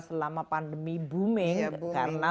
selama pandemi booming karena